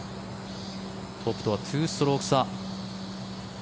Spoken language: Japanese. トップとは２ストローク差。